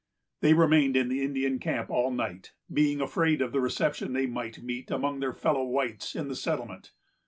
They remained in the Indian camp all night, being afraid of the reception they might meet among their fellow whites in the settlement.